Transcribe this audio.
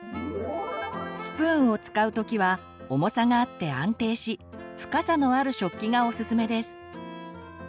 スプーンを使うときは重さがあって安定し深さのある食器がおすすめです。